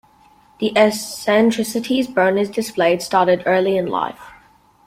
The eccentricities Berners displayed started early in life.